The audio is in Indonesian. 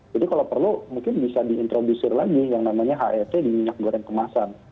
jadi kalau perlu mungkin bisa diintroduksi lagi yang namanya het di minyak goreng kemasan